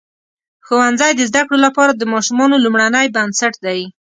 ښوونځی د زده کړو لپاره د ماشومانو لومړنۍ بنسټ دی.